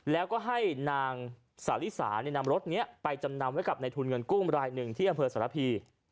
แล้วก็ให้นางสาวสริสาในนำรถเนี้ยไปจำนำไว้กับในนายทุนเงินกู้มรายหนึ่งที่บริเวณสัตวภีร์